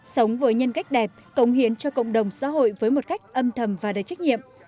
sống với nhân cách đẹp công hiến cho cộng đồng xã hội với một cách âm thầm và đầy trách nhiệm